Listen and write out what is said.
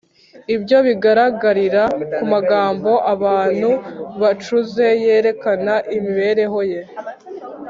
Ibyo bigaragarira ku magambo abantu bacuze yerekana imibereho ye